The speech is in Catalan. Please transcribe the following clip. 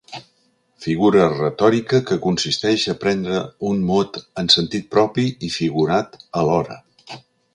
Figura retòrica que consisteix a prendre un mot en sentit propi i figurat alhora.